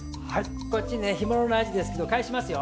こっちね干物のアジですけど返しますよ。